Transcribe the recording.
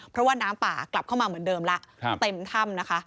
เพราะว่าน้ำป่ากลับเข้ามาเหมือนเดิมแล้วเต็มถ้ำนะคะ